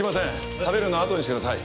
食べるのはあとにしてください。